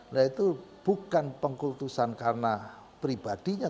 nah itu bukan pengkultusan karena pribadinya